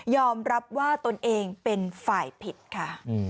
อมรับว่าตนเองเป็นฝ่ายผิดค่ะ